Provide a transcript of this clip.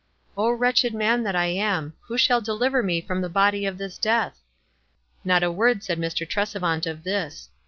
" Oh, wretched man that I am ! who shall de liver me from the body of this death?" Not a word said Mr. Tresevant of this.